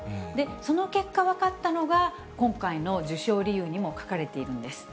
その結果分かったのが、今回の受賞理由にも書かれているんです。